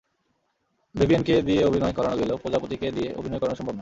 ভিভিয়েনকে দিয়ে অভিনয় করানো গেলেও প্রজাপতিকে দিয়ে অভিনয় করানো সম্ভব না।